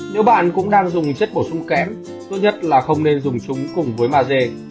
nếu bạn cũng đang dùng chất bổ sung kém tốt nhất là không nên dùng chúng cùng với maze